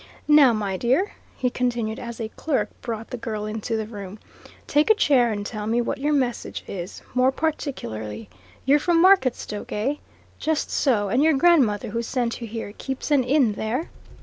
Now, my dear," he continued as a clerk brought the girl into the room, "take a chair and tell me what your message is, more particularly. You're from Marketstoke eh? Just so and your grandmother, who sent you here, keeps an inn there?"